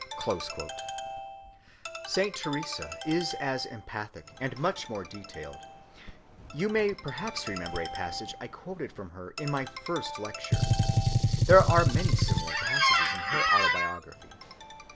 (258) Saint Teresa is as emphatic, and much more detailed. You may perhaps remember a passage I quoted from her in my first lecture.(259) There are many similar pages in her autobiography.